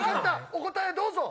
お答えどうぞ！